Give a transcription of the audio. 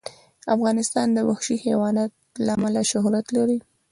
افغانستان د وحشي حیوانات له امله شهرت لري.